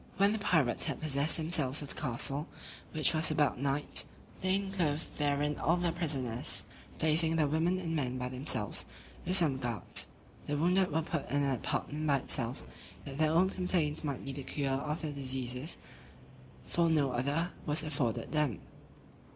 When the pirates had possessed themselves of the castle, which was about night, they enclosed therein all the prisoners, placing the women and men by themselves, with some guards: the wounded were put in an apartment by itself, that their own complaints might be the cure of their diseases; for no other was afforded them.